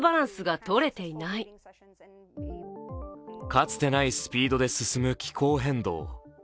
かつてないスピードで進む気候変動。